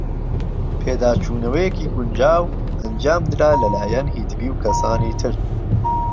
ـپێداچوونەوەیەکی گونجاو ئەنجامدرا لەلایەن هیتبی و کەسانی تر.